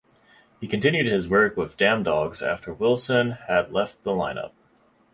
He continued his work with DamnDogs after Wilson had left the line-up.